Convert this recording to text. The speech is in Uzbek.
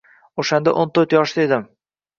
Oʻshanda o'n to'rt yoshda edim.